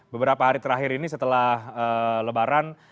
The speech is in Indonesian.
beberapa hari terakhir ini setelah lebaran